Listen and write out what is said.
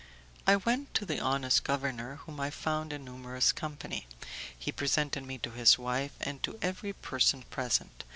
I went to the honest governor, whom I found in numerous company. He presented me to his wife and to every person present.